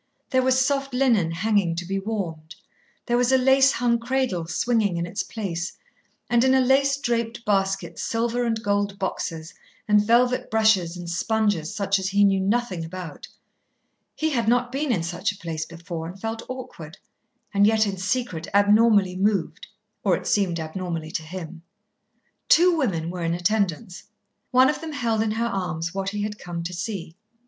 There was soft linen hanging to be warmed, there was a lace hung cradle swinging in its place, and in a lace draped basket silver and gold boxes and velvet brushes and sponges such as he knew nothing about. He had not been in such a place before, and felt awkward, and yet in secret abnormally moved, or it seemed abnormally to him. Two women were in attendance. One of them held in her arms what he had come to see.